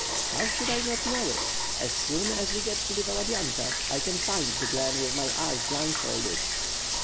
"How should I not know it? As soon as we get to the Valadynka, I can find the glen with my eyes blindfolded.